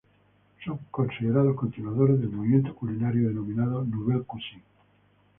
Son considerados continuadores del movimiento culinario denominado Nouvelle cuisine.